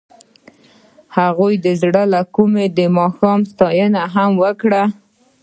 هغې د زړه له کومې د ماښام ستاینه هم وکړه.